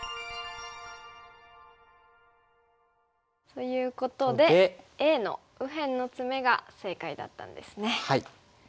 ということでＡの右辺のツメが正解だったんですね。